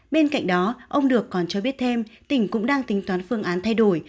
bên cạnh đó ông được còn cho biết thêm tỉnh cũng đang tính toán phương án thay đổi